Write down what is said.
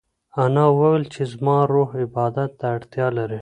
انا وویل چې زما روح عبادت ته اړتیا لري.